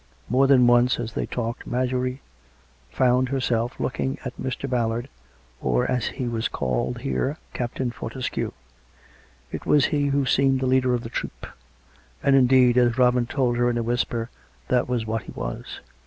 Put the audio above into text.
More than once, as they talked, Marjorie found herself looking at Mr. Ballard, or, as he was called here, Captain Fortescue. It was he who seemed the leader of the troop; COME RACK! COME ROPE! 171 and, indeed, as Robin told her in a whisper, that was what he was.